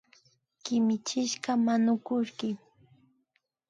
Kimichishka manukullki